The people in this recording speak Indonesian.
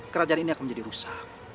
kerajaan ini akan menjadi rusak